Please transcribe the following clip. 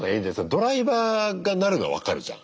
ドライバーがなるのは分かるじゃん。